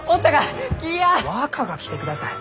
若が来てください。